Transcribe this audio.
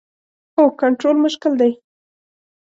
هو، کنټرول مشکل دی